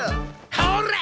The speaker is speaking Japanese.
ほら！